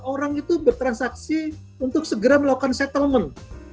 orang itu bertransaksi untuk segera melakukan settlement